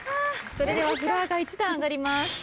それではフロアが１段上がります。